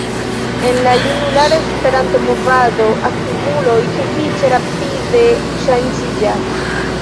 En la junulara Esperanto-movado aktivuloj sufiĉe rapide ŝanĝiĝas.